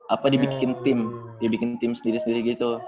apa dibikin tim dibikin tim sendiri sendiri gitu